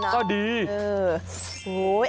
ก็ดี